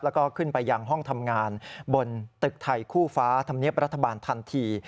แล้วก็ขึ้นไปยังห้องทำงานบนตึกไทยคู่ฟ้าธรรมเนียบรัฐบาลทันที